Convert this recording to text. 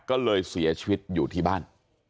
ก็เลยเสียชีวิตอยู่ที่บ้าน